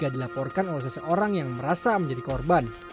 dilaporkan oleh seseorang yang merasa menjadi korban